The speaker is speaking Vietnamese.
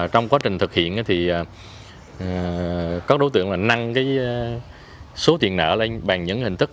trong quá trình thực hiện thì các đối tượng năng số tiền nợ lên bằng những hình thức